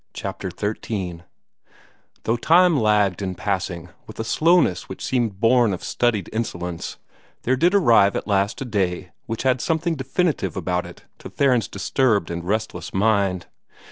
CHAPTER XIII Though time lagged in passing with a slowness which seemed born of studied insolence, there did arrive at last a day which had something definitive about it to Theron's disturbed and restless mind.